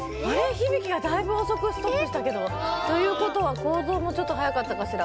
ヒビキがだいぶおそくストップしたけど。ということはコーゾーもちょっとはやかったかしら。